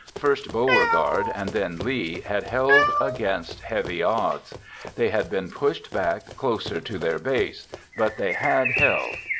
First Beauregard, and then Lee, had held against heavy odds. They had been pushed back closer to their base—but they had held.